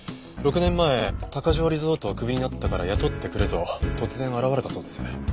６年前高城リゾートをクビになったから雇ってくれと突然現れたそうです。